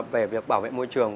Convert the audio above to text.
về việc bảo vệ môi trường